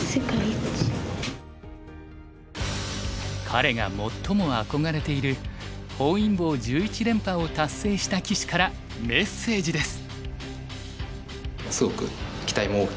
彼が最も憧れている本因坊１１連覇を達成した棋士からメッセージです。